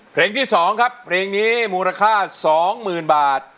เพลงที่๒ครับเพลงนี้มูลค่า๒๐๐๐บาท